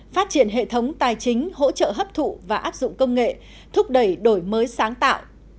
phát triển hệ thống tài chính hỗ trợ hấp thụ và áp dụng công nghệ thúc đẩy đổi mới sáng tạo